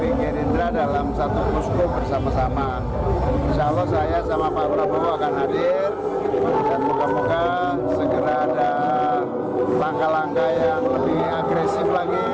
insya allah saya dan pak rambu akan hadir dan berbuka buka segera ada langkah langkah yang lebih agresif lagi